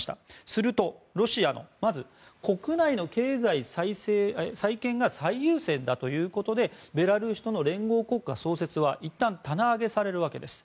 すると、まずロシアの国内の経済再建が最優先だということでベラルーシとの連合国家創設はいったん棚上げされるわけです。